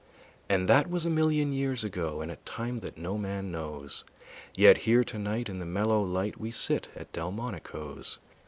And that was a million years ago In a time that no man knows; Yet here tonight in the mellow light We sit at Delmonico's.